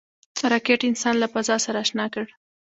راکټ انسان له فضا سره اشنا کړ